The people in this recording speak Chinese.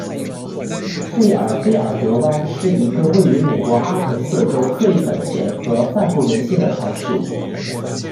费尔菲尔德湾是一个位于美国阿肯色州克利本县和范布伦县的城市。